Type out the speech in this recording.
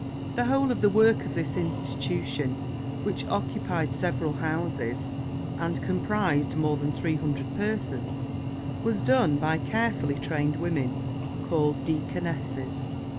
The whole of the work of this institution, which occupied several houses and comprised more than 300 persons, was done by carefully trained women, called deaconesses.